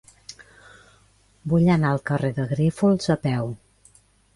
Vull anar al carrer de Grífols a peu.